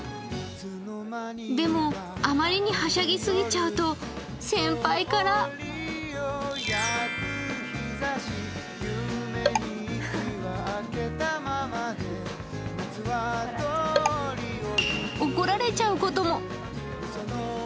でも、あまりにはしゃぎすぎちゃうと、先輩から怒られちゃうことも。